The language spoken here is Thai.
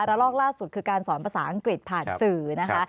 ลอกล่าสุดคือการสอนภาษาอังกฤษผ่านสื่อนะคะ